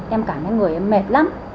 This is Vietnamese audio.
em cảm thấy người em mệt lắm